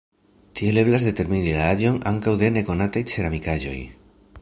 Tiel eblas determini la aĝon ankaŭ de nekonataj ceramikaĵoj.